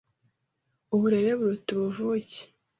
uburere buruta ubuvuke”,